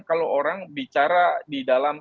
kalau orang bicara di dalam